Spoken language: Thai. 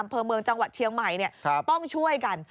อำเภอเมืองจังหวัดเชียงใหม่ต้องช่วยกัน